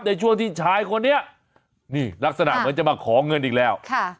ในช่วงที่ชายคนนี้นี่ลักษณะเหมือนจะมาขอเงินอีกแล้ว